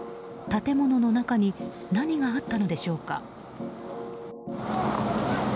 建物の中に何があったのでしょうか。